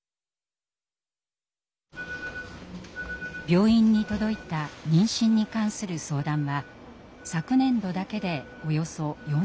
病院に届いた妊娠に関する相談は昨年度だけでおよそ４，７００件。